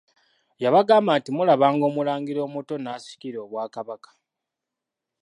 Yabagamba nti mulabanga Omulangira omuto n'asikira obwakabaka.